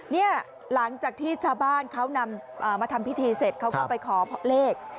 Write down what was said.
เนี่ยหลังจากที่ชาวบ้านเขานำมาทำพิธีเสร็จเขาก็ไปขอเลข